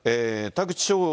田口翔